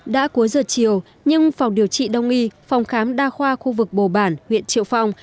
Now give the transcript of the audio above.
đã cuối giờ chiều nhưng phòng điều trị đông y phòng khám đa khoa khu vực bồ bản huyện triệu phong